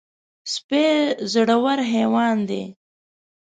سپي زړور حیوان دی.